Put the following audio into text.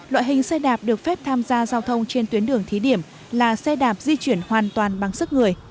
loại hình xe đạp được phép tham gia giao thông trên tuyến đường thí điểm là xe đạp di chuyển hoàn toàn bằng sức người